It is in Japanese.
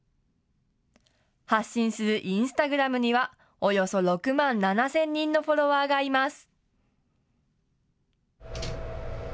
発信するインスタグラムにはおよそ６万７０００人のフォロワーがいます。